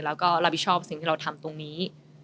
แล้วก็รับผิดชอบสิ่งที่เราทำตรงนี้